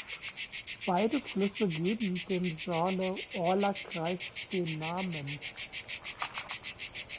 Beide Flüsse geben dem Saale-Orla-Kreis den Namen.